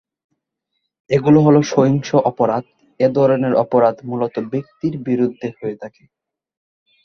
এগুলো হলো- সহিংস আপরাধ: এ ধরনের অপরাধ মূলত ব্যক্তির বিরুদ্ধে হয়ে থাকে।